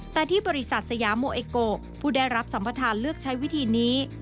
แต่ที่บริษัทสยาโมเอโกผู้ได้รับสัมประธานเลือกใช้วิธีนี้